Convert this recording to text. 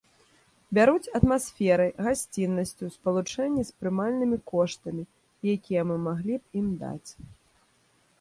Бяруць атмасферай, гасціннасцю ў спалучэнні з прымальнымі коштамі, якія мы маглі б ім даць.